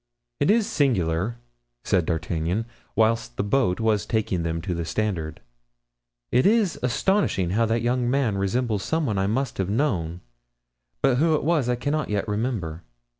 "It is singular," said D'Artagnan, whilst the boat was taking them to the Standard, "it is astonishing how that young man resembles some one I must have known, but who it was I cannot yet remember."